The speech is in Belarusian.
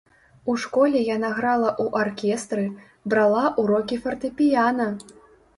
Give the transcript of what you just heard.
У школе яна грала ў аркестры, брала ўрокі фартэпіяна.